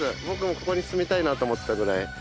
僕もここに住みたいなと思ったぐらい